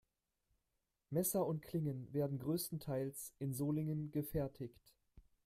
Messer und Klingen werden größtenteils in Solingen gefertigt.